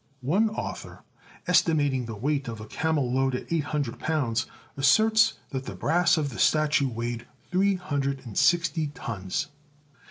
One author, estimating the weight of a camel load at eight hundred pounds, asserts that the brass of the statue weighed three hundred and sixty tons.